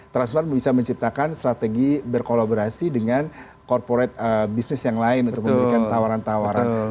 transmart bisa menciptakan strategi berkolaborasi dengan corporate business yang lain untuk memberikan tawaran tawaran